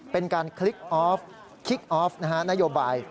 เป็นการคลิกออฟคลิกออฟนะฮะนโยบาย